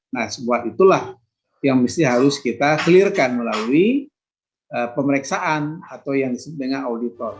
nah sebuah itulah yang harus kita clear kan melalui pemeriksaan atau yang disebut dengan auditor